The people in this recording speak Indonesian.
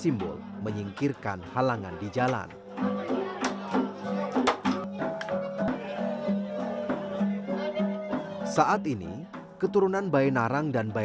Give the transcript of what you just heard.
ritual pasiap ini dilakukan guna menghormati tamu dan memastikan tidak ada satupun tamu yang merasa lapar di betang sawe